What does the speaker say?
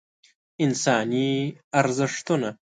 انساني ارزښتونه